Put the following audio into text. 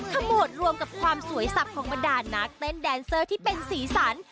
ขมวดรวมกับความสวยสับของบรรดานักเต้นแดนเซอร์ที่เป็นสีสัน